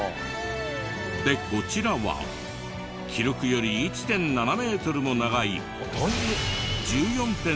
でこちらは記録より１．７メートルも長い。